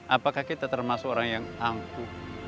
apakah kita termasuk orang yang ampuh